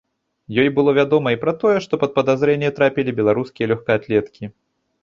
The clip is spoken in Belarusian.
Ёй было вядома і пра тое, што пад падазрэнні трапілі беларускія лёгкаатлеткі.